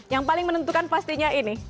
yang paling menentukan pastinya ini